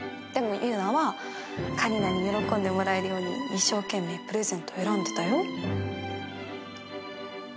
でも優菜はカリナに喜んでもらえるように一生懸命プレゼント選んでたよ。